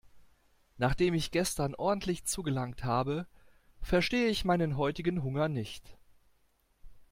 Nachdem ich gestern ordentlich zugelangt habe, verstehe ich meinen heutigen Hunger nicht.